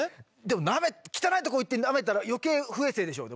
でも汚いとこ行ってなめたら余計不衛生でしょ。